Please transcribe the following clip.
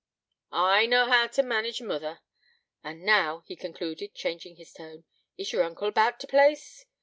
'I knaw hoo t' manage mother. An' now,' he concluded, changing his tone, 'is yer uncle about t' place?'